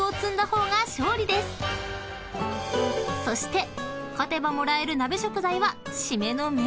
［そして勝てばもらえる鍋食材は］